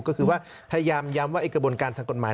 ก็คือว่าพยายามย้ำว่ากระบวนการทางกฎหมาย